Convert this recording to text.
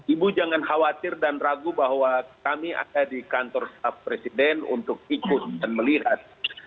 ibu jangan khawatir dan ragu bahwa kami ada di kantor presiden untuk ikut dan melihat